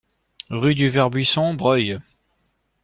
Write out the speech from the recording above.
Rue du Vert Buisson, Broglie